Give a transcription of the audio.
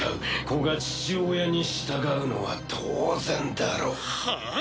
子が父親に従うのは当然だろう。はあ？